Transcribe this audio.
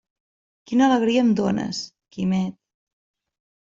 Quina alegria em dónes, Quimet!